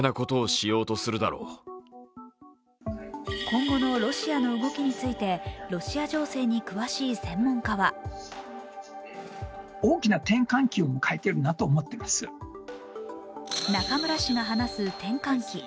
今後のロシアの動きについてロシア情勢に詳しい専門家は中村氏が話す転換期。